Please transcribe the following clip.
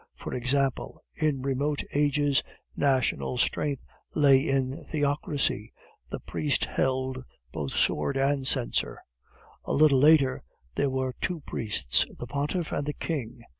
For example, in remote ages national strength lay in theocracy, the priest held both sword and censer; a little later there were two priests, the pontiff and the king.